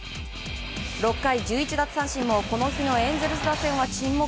６回１１奪三振もこの日のエンゼルスは沈黙。